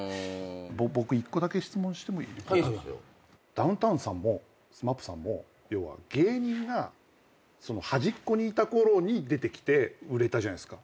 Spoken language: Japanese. ダウンタウンさんもＳＭＡＰさんも要は芸人がはじっこにいたころに出てきて売れたじゃないっすか。